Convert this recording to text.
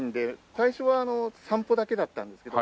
最初はあの散歩だけだったんですけど。